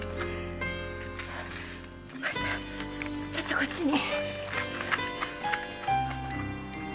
ちょっとこっちに。